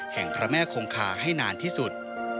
พระแม่คงคาให้นานที่สุด